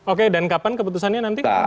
oke dan kapan keputusannya nanti